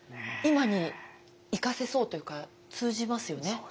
今に生かせそうというか通じますよね。